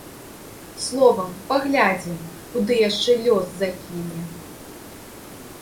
Словам, паглядзім, куды лёс яшчэ закіне!